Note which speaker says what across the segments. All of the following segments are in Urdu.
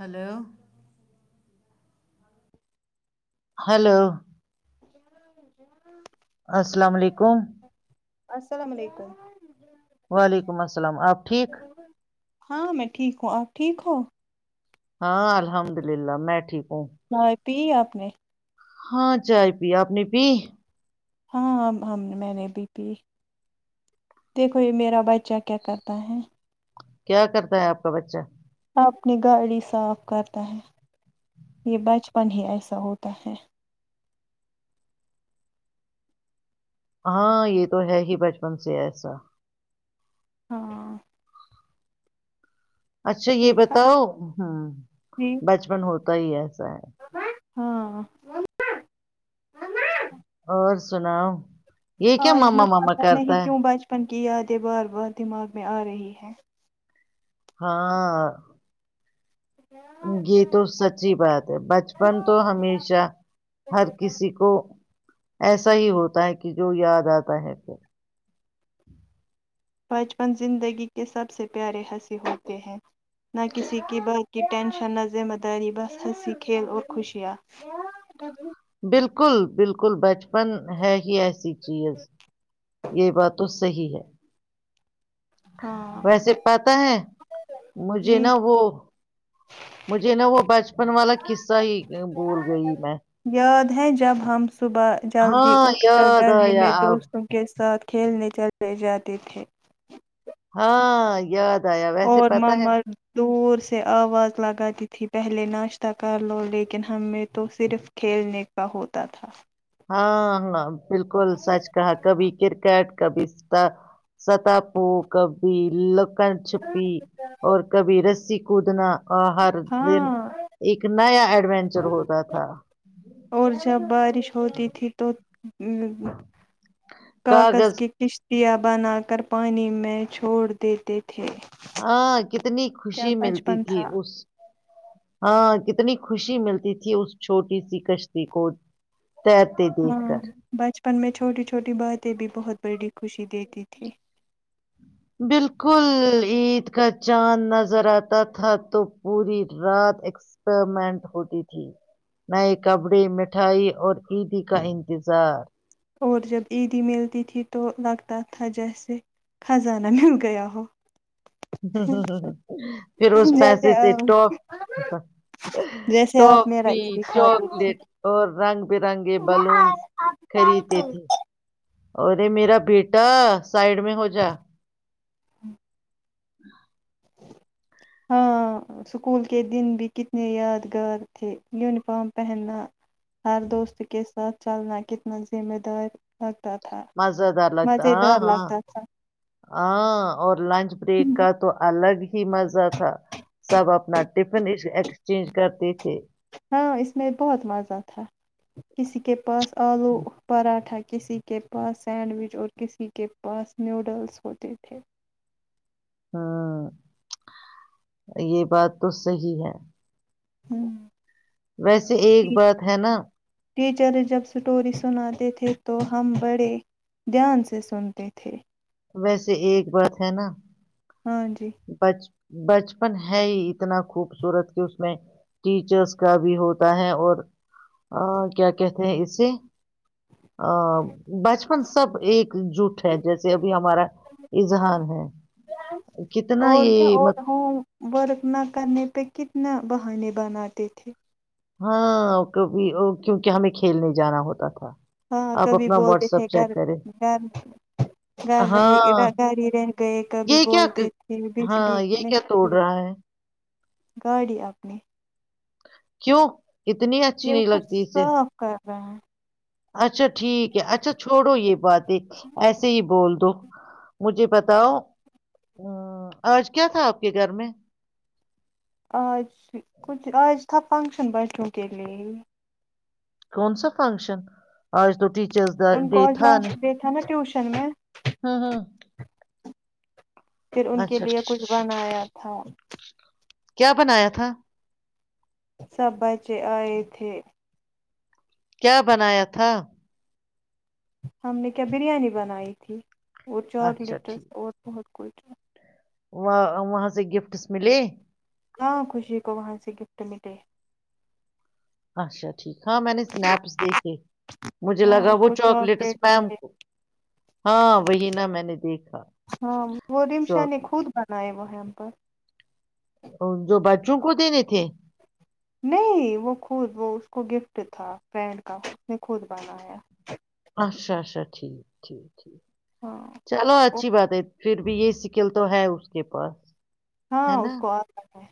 Speaker 1: ہلو ہلو
Speaker 2: [inaudible]
Speaker 1: السلام علیکم
Speaker 2: السلام علیکم
Speaker 1: وعلیکم السلام آپ ٹھیک
Speaker 2: ہاں میں ٹھیک ہوں آپ ٹھیک ہو
Speaker 1: ہاں الحمد للہ میں ٹھیک ہوں
Speaker 2: [inaudible] پ آنے
Speaker 1: ہاں چائے پی آپ نے پی
Speaker 2: ہاں ہم میں نے بھی پی دیکھو یہ میرا بچہ کیا کرتا ہے
Speaker 1: کیا کرتا ہے آپ کا بچہ
Speaker 2: اپنی گاڑی صاف کرتا ہے یہ بچپن ہی ایسا ہوتا ہے
Speaker 1: ہاں یہ تو ہے ہی بچپن سے ایسا
Speaker 2: ہاں
Speaker 1: اچھا یہ
Speaker 2: دیکھا
Speaker 1: بتاؤ ہ
Speaker 2: جی
Speaker 1: بچپن ہوتا ہی ایسا ہے
Speaker 2: ہاں [inaudible]
Speaker 1: اور سناؤ یہ کیا ماما ماما
Speaker 2: پتا نہیں
Speaker 1: کرتا ہے
Speaker 2: کیوں بچپن کی یادیں بار بار دماغ میں آ رہی ہیں
Speaker 1: ہاں یہ تو سچی بات ہے بچپن تو ہمیشہ ہر کسی کو ایسا ہی ہوتا ہے کہ جو یاد آتا ہے پھر
Speaker 2: بچپن زندگی کے سب سے پیارے ہنسی ہوتے ہیں نہ کسی کی بات کی ٹینشن نہ ذمہ داری بس ہنسی کھیل اور خوشیاں
Speaker 1: بالکل بالکل بچپن ہے ہی ایسی چیز یہ بات تو صحی ہے
Speaker 2: ہاں
Speaker 1: ویسے پتا ہے مجھے
Speaker 2: جی
Speaker 1: نا وہ مجھے نہا وہ بچپن والا قصہ ہی بول گئی میں
Speaker 2: یاد ہے جب ہم صبح جلدی
Speaker 1: ہاں
Speaker 2: اٹھ کر
Speaker 1: یاد
Speaker 2: گلے
Speaker 1: آیا
Speaker 2: میں
Speaker 1: اب
Speaker 2: دوستوں کے ساتھ کھیلنے چل لے جاتے تھے
Speaker 1: ہاں یاد آیا ویسے
Speaker 2: اور
Speaker 1: پتہ ہے
Speaker 2: ممر [inaudible] دور سے آواز لگا تی تھی پہلے ناشتہ کر لو لیکن ہمیں تو صرف کھیلنے کا ہوتا تھا
Speaker 1: ہاں ہ بالکل سچ کہا کبھی کرکٹ کبھی ستا پو کبھی ل کر چھپی اور کبیرس س کوودنا آ ہر دن
Speaker 2: ہاں
Speaker 1: ایک نیا ایڈوینچر ہوتا تھا
Speaker 2: اور جب بارش ہوتی تھی تو کاغذ کی قش پیا بنا کر پانی میں چھوڑ دیتے تھے
Speaker 1: ہاں کتنی
Speaker 2: کیا
Speaker 1: خوشی ملتی
Speaker 2: بچپن
Speaker 1: تھی
Speaker 2: تھا
Speaker 1: اس ہاں کتنی خوشی ملتی تھی اس چھوٹی سی کشتی کو تیرتے دیکھ
Speaker 2: ہاں
Speaker 1: کر
Speaker 2: بچپن میں چھوٹی چھوٹی باتیں بھی بہت بڑی خوشی دیتی تھی
Speaker 1: بالکل عید کا چاند نظر آتا تھا تو پوری رات ایکسپریمنٹ ہوتی تھی نئے کپڑے مٹھائی اور عیدی کا انتظار
Speaker 2: اور جب عیدی ملتی تھی تو لگتا تھا جیسے خزانہ مل گیا ہو
Speaker 1: ہ پھر اس
Speaker 2: جیسے
Speaker 1: پیسے سے ٹاپ
Speaker 2: جیسے آپ میرا
Speaker 1: ٹاپی
Speaker 2: عیدی کھاتی تھی
Speaker 1: چاکلیٹ اور رنگ برنگے بلونس خریدتے تھے اوررے میرا بیٹا سائڈ میں ہو جائے ہ [unintelligible]
Speaker 2: ہاں اسکول کے دن بھی کتنے یادگار تھے یونیفارم پہننا ہر دوست کس سات چلنا کتنا ذمہ دار تھا
Speaker 1: مزہدہ الگتا ہاں
Speaker 2: مزیدار
Speaker 1: ہاں
Speaker 2: لگتا تھا
Speaker 1: ہاں اور لنچ بریک کا تو الگ ہی مزہ تھا سب اپنا ٹفن ایکسچینج کرتے تھے
Speaker 2: ہاں اس میں بہت مزہ تھا کسی کے پاس آلو پراٹھا کسی کے پاس سینڈوچ اور کسی کے پاس نوڈلس ہوتے تھے
Speaker 1: ہوں یہ بات تو صی ہے
Speaker 2: ہوں [unintelligible]
Speaker 1: ویسے ایک بات ہے نا
Speaker 2: ٹیچر جب اسٹوری سناتے تھے تو ہم بڑے دھیان سے سنتے تھے
Speaker 1: ویسے ایک بات ہے نا
Speaker 2: ہاں جی
Speaker 1: بچ بچپن ہے ہی اتنا خوبصورت کہ اس میں ٹیچرس کا بھی ہوتا ہے اور کیا کہتے ہیں اسے ا بچپن سب ایک جٹ ابھی ہمارا اظہار ہے کتنا
Speaker 2: اور کیا
Speaker 1: یہ
Speaker 2: اور
Speaker 1: مت
Speaker 2: ہوم ورک کرنے پہ نہ بہانے بناتے تھے
Speaker 1: ہاں ک کیونکہ ہمیں کھیلنے جانا ہوتا تھا
Speaker 2: ہاں
Speaker 1: آپ
Speaker 2: کبھی
Speaker 1: اپنا
Speaker 2: بولتے
Speaker 1: واٹس
Speaker 2: تھے
Speaker 1: ایپ
Speaker 2: گھر
Speaker 1: چیک کریں
Speaker 2: گھر گھر رہ
Speaker 1: ہاں
Speaker 2: گھر ہی رہ گئے کبھی
Speaker 1: یہ کیا
Speaker 2: بولتے تھے بجلی
Speaker 1: ہاں یہ کیا
Speaker 2: نہیں
Speaker 1: توڑ
Speaker 2: تھی
Speaker 1: رہا ہے
Speaker 2: گاڑی اپنی
Speaker 1: کیوں کتنی اچھی نہیں لگتی اسے
Speaker 2: و [unintelligible]
Speaker 1: اچھاچھ [unintelligible] ٹھیک ہے اچھا چھوڑو یہ باتیں ایسے ہی بول دو مجھے بتاؤ ا آج کیا تھا آپ کے گھر میں
Speaker 2: آج کچھ آج تھا فنکشن بچوں کے لیے
Speaker 1: کون سا فنکشن آج تو چ
Speaker 2: ان کوجلا د تھا نا ٹیوشن شنم
Speaker 1: ہاں ہاں
Speaker 2: پھر ان کے لیے کچھ بنایا تھا
Speaker 1: کیا بنایا تھا
Speaker 2: سب بچے آئے تھے
Speaker 1: کیا بنایا تھا
Speaker 2: ہم نے کیا بریانی بنائی تھی اور چاکلیٹس اورہت کوئی کیا
Speaker 1: وہ وہاں سے گفٹس ملے
Speaker 2: ہاں خوشی کو وہاں سے گفٹ ملے
Speaker 1: اچھا اچ ٹھیک ہاں میں نے اسنیپس دیکھے مجھے
Speaker 2: ہاں
Speaker 1: لگا
Speaker 2: اس
Speaker 1: وہ
Speaker 2: کو
Speaker 1: چاکلیٹس
Speaker 2: چاکلیٹ
Speaker 1: میم
Speaker 2: ملے
Speaker 1: کو ہاں وہی نہا میں نے دیکھا
Speaker 2: ہاں وہ رمشا نے خود بنائے وہ ہیمپر
Speaker 1: ج کوو دینے تھے
Speaker 2: نہیں وہ خود وہ اس کو گفٹ تھا فرینڈ کا اس نے خود بنایا
Speaker 1: اچھا اچھا ٹھیک ٹھیک
Speaker 2: ہاں
Speaker 1: چلو اچھی بات ہے پھر بھی یہ سکل تو ہے اس کے پاس
Speaker 2: ہاں
Speaker 1: ہے نا
Speaker 2: اس کو آتا ہے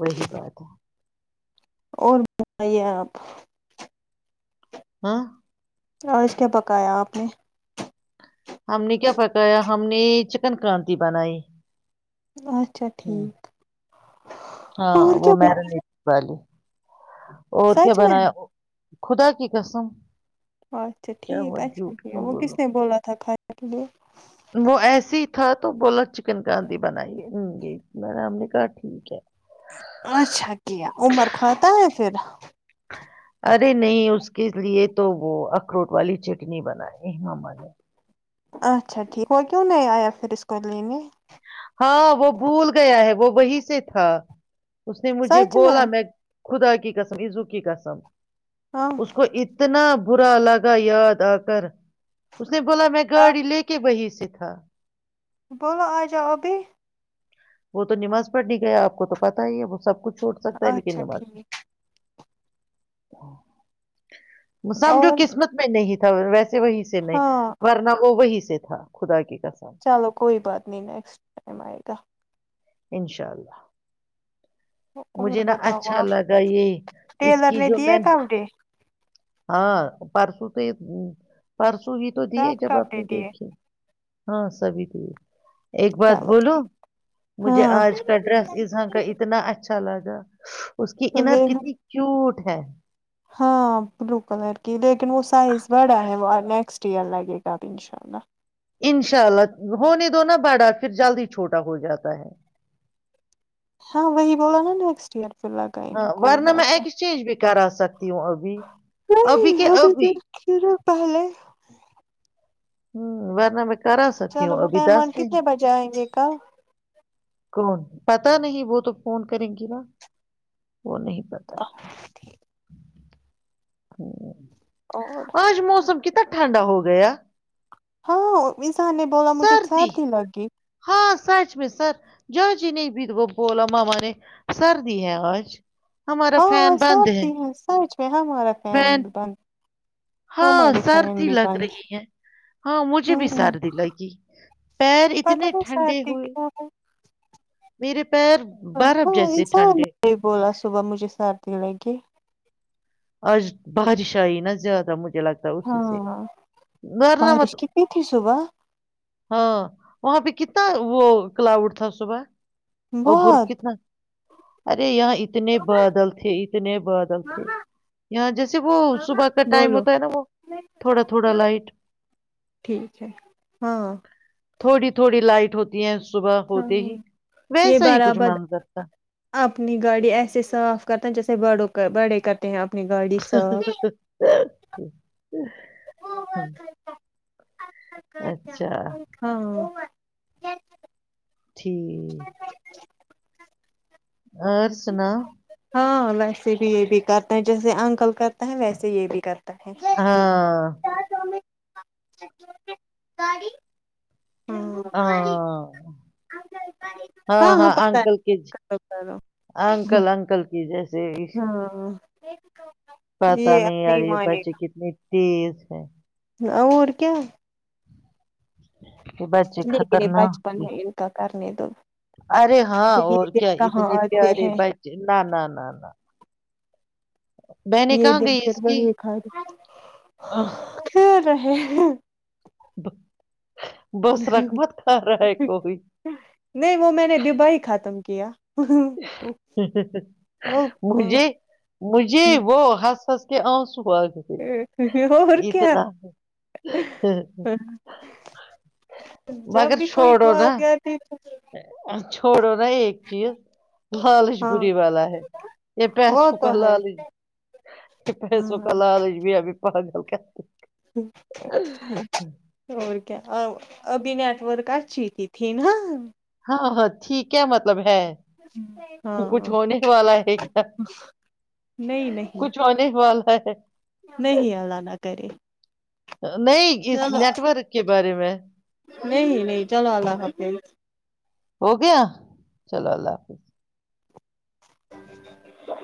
Speaker 1: وہی بات ہے
Speaker 2: اور بتائیے آپ
Speaker 1: ہاں
Speaker 2: اورش کیا پکایا آپ نے
Speaker 1: ہم نے کیا پکایا ہم نے چکن کرانتی بنائی
Speaker 2: اچھا
Speaker 1: ہوں،
Speaker 2: ٹھیک
Speaker 1: ہاں
Speaker 2: اور
Speaker 1: وہ
Speaker 2: کیا بولا
Speaker 1: میرنی والی اور کیا
Speaker 2: سچ میں
Speaker 1: بنایا خدا کی قسم
Speaker 2: اچھا
Speaker 1: کیا
Speaker 2: ٹھیک
Speaker 1: ہوا جھوٹ
Speaker 2: اچھا
Speaker 1: کیوں
Speaker 2: وہ کس
Speaker 1: بولوں
Speaker 2: نے بولا تھا پٹ دے
Speaker 1: وہ ایسے ہی تھا تو بولا چکن کانتی بنائیے جی میں رام نے کہا ٹھیک ہ
Speaker 2: اچھا کیا عمر کھاتا ہے پھر
Speaker 1: ارے نہیں اس کے لیے تو وہ اخروٹ والی چٹنی بنائے ہیں امی نے
Speaker 2: اچھا ٹھیک وہ کیوں نہیں آیا پھر اس کو لینے
Speaker 1: ہاں وہ بھول گیا ہے وہ وہی سے تھا اس نے مجھے بولا میں خدا کی قسم عزو کی قسم
Speaker 2: ہاں
Speaker 1: اس کو اتنا برا لگا یاد آ کر اس اس نے بولا میں
Speaker 2: آپ
Speaker 1: گاڑی لے کے بہ س سھا
Speaker 2: بولو آجاؤ ابھی
Speaker 1: وہ تو نماز پڑھ نے گیا آپ کو تو پتا ہی ہے وہ سب کچھ چھوڈ سکتا ہے لیکن
Speaker 2: اچھا
Speaker 1: نماز نہی
Speaker 2: ٹھیک
Speaker 1: ا سمجھو
Speaker 2: اور
Speaker 1: قسمت میں نہیں تھا تو سے وہیں سے لیں
Speaker 2: ہاں
Speaker 1: ورنہ وہ وہی سے تھا خداکی
Speaker 2: چلو کوئی بات نہیں نیکسٹ ٹائم آئے گا
Speaker 1: انشاء اللہ
Speaker 2: اور
Speaker 1: مجھے نا
Speaker 2: بتاؤ
Speaker 1: اچھا
Speaker 2: آپ
Speaker 1: لگا یہ اس
Speaker 2: ٹیلر
Speaker 1: کی جو
Speaker 2: دیے
Speaker 1: میں نے
Speaker 2: کپڑے
Speaker 1: ہاں پرسوں سے پرسو تووہی تو دیے
Speaker 2: سب
Speaker 1: جب آپ
Speaker 2: کپڑے
Speaker 1: نے
Speaker 2: دیے
Speaker 1: دیکھے ہاں سبھی ت ایک بات
Speaker 2: چلو
Speaker 1: بولو
Speaker 2: ٹھیک
Speaker 1: مجھے
Speaker 2: ہاں
Speaker 1: آج کا ڈریس اظان کا اتنا اچھا اچھا لگا اس کی انر
Speaker 2: دیکھ
Speaker 1: کتنی کیوٹ ہے
Speaker 2: ہاں بلو کلر کی لیکن وہ سائز بڑا ہے وہ نیکسٹ ایئر لگے گا انشاء اللہ
Speaker 1: انشاء اللہ ہونے دو نا بڑا پھر جلد ہی چھوٹا ہو جاتا ہے
Speaker 2: ہاں وہی بولا نا نیکسٹ ایئر پھر لگائیں گے
Speaker 1: ہاں
Speaker 2: کوئی
Speaker 1: وورن
Speaker 2: بات
Speaker 1: میں
Speaker 2: نہیں
Speaker 1: ایکسچینج بیک کرا سکتے ہوں ابھی ابھی کہ
Speaker 2: نہیں
Speaker 1: ابھی
Speaker 2: دیکھنا پہلے
Speaker 1: ہوں وار ن میں کرا سکتی
Speaker 2: چلو
Speaker 1: ہوں
Speaker 2: وہ
Speaker 1: ابھی
Speaker 2: پمان
Speaker 1: دس دن
Speaker 2: کتنے بجے آئیں گے کل
Speaker 1: کون پتا نہیں وہ تو فون کریں گی نا وہ نہیں پتا ہ
Speaker 2: اور
Speaker 1: آج موسم کتنا ٹھنڈا ہو گیا
Speaker 2: [unintelligible] انسان نے بولا مجھے سردی لگ گی
Speaker 1: [unintelligible]
Speaker 2: ہاں
Speaker 1: فین بند ہے
Speaker 2: سرتی ہیں سچ میں ہمارا فین بند
Speaker 1: ہاں
Speaker 2: ہمارے فین
Speaker 1: سردی
Speaker 2: بھی
Speaker 1: لگ
Speaker 2: بند
Speaker 1: رہی ہے ہاں مجھے بھی سردی لگی پیر
Speaker 2: پتا
Speaker 1: اتنے
Speaker 2: نہیں
Speaker 1: ٹھنڈے
Speaker 2: سردی
Speaker 1: ہوئے
Speaker 2: کیوں ہے
Speaker 1: مییر
Speaker 2: ہاں انسان نے بولا صبح مجھے سات د لگے
Speaker 1: آج بارش آئی نا زیادہ مجھے لگتا اسی سے
Speaker 2: ہاں
Speaker 1: گھرنا مت
Speaker 2: بارش کتنی تھی صبح
Speaker 1: ہاں وہاں پہ کیا کتنا وہ کلاؤڈ تھا صبح ا بر
Speaker 2: بہت
Speaker 1: کتنا ارے یہاں اتنے بادل تھے اتنے بادل تھے یہاں جیسے وہ صبح کا ٹائم
Speaker 2: بولو
Speaker 1: ہوتا ہے نا وہ تھوڑا تھوڑا لائٹ
Speaker 2: ٹھیک ہے ہاں
Speaker 1: تھوڑی تھوڑی لائٹ ہوتی ہیں
Speaker 2: ہاں یہ برابر
Speaker 1: منظر تھا
Speaker 2: اپنی گاڑی ایسے صاف کرتا ہیں جیسے بڑوں بڑے کرتے ہیں آپ
Speaker 1: [unintelligible] [unintelligible]
Speaker 2: ہاں
Speaker 1: [unintelligible]
Speaker 2: [unintelligible]
Speaker 1: ٹھیک اور سنا
Speaker 2: ہاں ویسے بھی یہ بھی کرتے ہیں جیسے انکل کرتے ہیں ویسے یہ بھی کرتے [unintelligible]
Speaker 1: ہاں
Speaker 2: [unintelligible]
Speaker 1: ہاں ہاں ہاں
Speaker 2: پتہ ہے
Speaker 1: اکل کی
Speaker 2: کرو کرو
Speaker 1: اکل ا انکل کی جیسے
Speaker 2: ہاں [unintelligible]
Speaker 1: پتاہ
Speaker 2: یہ اب
Speaker 1: نہیں آ رہی ہے
Speaker 2: مانے
Speaker 1: بچے کتنی تیز ہے
Speaker 2: اور کیا
Speaker 1: کہ بچے
Speaker 2: لیکن یہ
Speaker 1: خطرناک
Speaker 2: بچپن
Speaker 1: ت
Speaker 2: ہے ان کا کرنے دو
Speaker 1: ارے ہاں
Speaker 2: پھر
Speaker 1: اور
Speaker 2: یہ دن
Speaker 1: کیا
Speaker 2: کہاں
Speaker 1: اتنے
Speaker 2: آتے
Speaker 1: پیارے
Speaker 2: ہیں
Speaker 1: بچے نہ نہ نہ نہ میں نے
Speaker 2: یہ
Speaker 1: کہاں
Speaker 2: دن
Speaker 1: گئی
Speaker 2: پھر
Speaker 1: اس
Speaker 2: وہ
Speaker 1: کی
Speaker 2: یہ کھا پھر ہے [inaudible]
Speaker 1: ب [unintelligible] کوئی
Speaker 2: نہیں وہ میں نے ڈب ہی خاتم ک [inaudible] وہ
Speaker 1: مجھے مجھے وہ ہس ہ کہ اور [inaudible]
Speaker 2: اور کیا جب
Speaker 1: مگر
Speaker 2: بھی کوئی
Speaker 1: چھوڑو
Speaker 2: بات گ ت
Speaker 1: تھوڑو نا ایک چیز لالچ
Speaker 2: ہاں
Speaker 1: بری والا ہے یہ
Speaker 2: وہ
Speaker 1: پیسوں
Speaker 2: تو
Speaker 1: کا
Speaker 2: ہے
Speaker 1: لالچ یہ پیسوں
Speaker 2: ہاں
Speaker 1: کا لالچ بھی ابھی پاگل چ [inaudible]
Speaker 2: اور ابھی نیٹ ورکہ چ ت تھییں
Speaker 1: ہاں ہاں ٹھیک ہے مطلب ہے
Speaker 2: ہاں
Speaker 1: کچھ ہونے والا ہے کیا
Speaker 2: نہیں نہیں
Speaker 1: کچھ ہونے والا ہے
Speaker 2: نہیں اللہانا کرے
Speaker 1: نہیں اس
Speaker 2: چلو
Speaker 1: نیٹورورک کے بارے میں
Speaker 2: نہیں نہیں چلو اللہ حافظ
Speaker 1: ہو گیا چلو اللہ حافظ
Speaker 2: ہ [inaudible]